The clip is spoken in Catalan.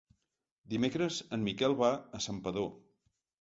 Dimecres en Miquel va a Santpedor.